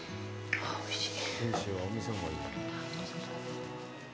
ああ、おいしい。